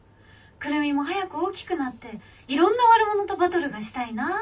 クルミも早く大きくなっていろんな悪者とバトルがしたいなぁ」。